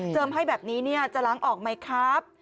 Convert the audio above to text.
เจิมไฟแบบนี้จะล้างออกไหมครับ